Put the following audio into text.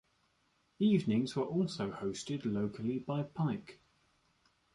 Evenings were also hosted locally by Pyke.